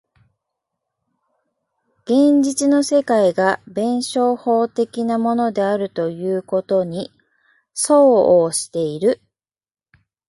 現実の世界が弁証法的なものであるということに相応している。